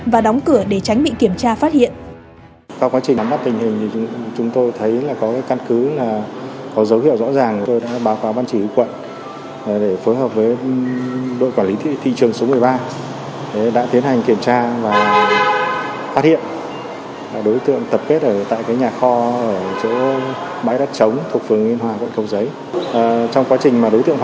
và đóng cửa để tránh bị kiểm tra phát hiện